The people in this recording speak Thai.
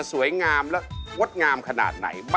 สวัสดีครับ